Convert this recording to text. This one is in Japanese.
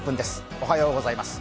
おはようございます。